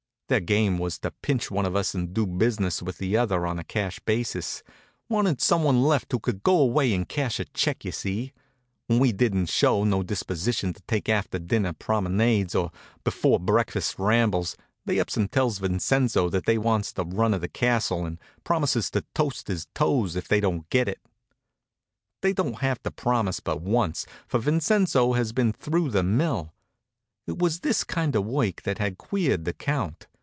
Their game was to pinch one of us and do business with the other on a cash basis wanted some one left who could go away and cash a check, you see. When we didn't show no disposition to take after dinner promenades or before breakfast rambles they ups and tell Vincenzo that they wants the run of the castle and promises to toast his toes if they don't get it. They don't have to promise but once, for Vincenzo has been through the mill. It was this kind of work that had queered the count.